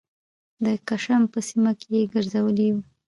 د کشم په سیمه کې یې ګرځولي یوو